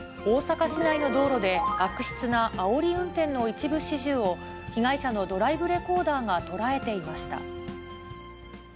大阪市内の道路で、悪質なあおり運転の一部始終を、被害者のドライブレコーダーが捉えていました。